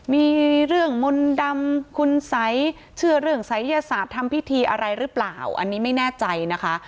มีเรื่องมนต์ดำคุณสัยเชื่อเรื่องศัยยศาสตร์ทำพิธีอะไรหรือเปล่าอันนี้ไม่แน่ใจนะคะ